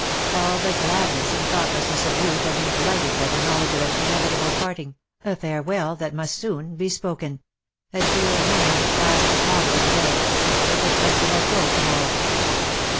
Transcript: All the gladness and thoughtlessness of youth had been blighted by the knowledge of an inevitable parting — a farewell that must soon be spoken — a dear hand clasped fondly to day, but which must be let go to morrow.